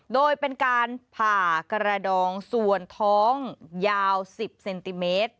โดยเป็นการผ่ากระดองส่วนท้องยาว๑๐เซนติเมตร